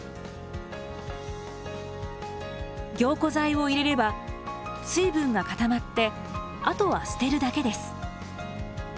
凝固剤を入れれば水分が固まってあとは捨てるだけです。